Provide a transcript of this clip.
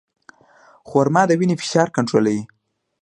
خرما د وینې فشار کنټرولوي.